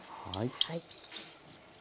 はい。